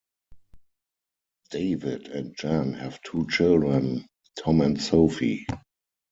David and Jan have two children, Tom and Sophie.